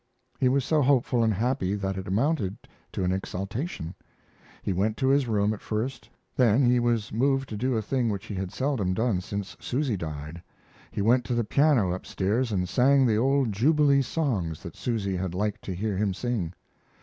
He was so hopeful and happy that it amounted to exaltation. He went to his room at first, then he was moved to do a thing which he had seldom done since Susy died. He went to the piano up stairs and sang the old jubilee songs that Susy had liked to hear him sing.